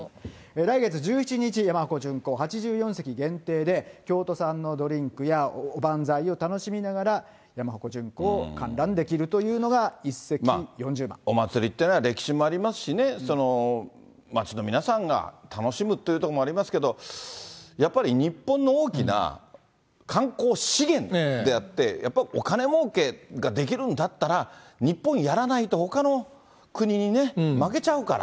来月１７日山鉾巡行、８４席限定で、京都産のドリンクやおばんざいを楽しみながら山鉾巡行を観覧できお祭りっていうのは歴史もありますしね、街の皆さんが楽しむというところもありますけれども、やっぱり日本の大きな観光資源であって、やっぱりお金もうけができるんだったら、日本やらないと、ほかの国にね、負けちゃうから。